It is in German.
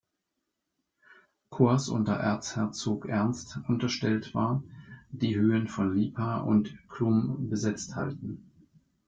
Korps unter Erzherzog Ernst unterstellt war, die Höhen von Lipa und Chlum besetzt halten.